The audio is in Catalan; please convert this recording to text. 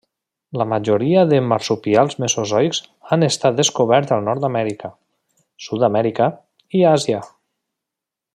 La majoria de marsupials mesozoics han estat descoberts a Nord-amèrica, Sud-amèrica i Àsia.